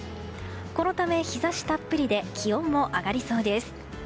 このため、日差したっぷりで気温も上がりそうです。